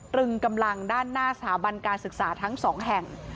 ตรึงกำลังด้านหน้าสถาบันการศึกษาทั้งสองแห่ง